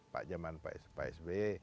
pak jaman pak sb